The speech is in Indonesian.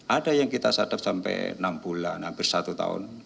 ada yang kita sadap sampai enam bulan hampir satu tahun